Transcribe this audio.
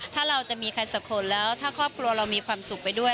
ถ้าเราจะมีใครสักคนแล้วถ้าครอบครัวเรามีความสุขไปด้วย